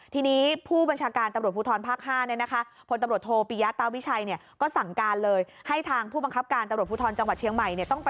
ทีนี้ผู้บันชาการตำรวจพ